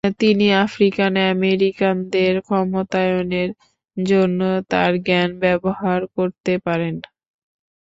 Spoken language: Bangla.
তিনি আফ্রিকান আমেরিকানদের ক্ষমতায়নের জন্য তার জ্ঞান ব্যবহার করতে পারে।